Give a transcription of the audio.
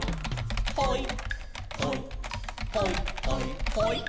「ほいほいほいほいほい」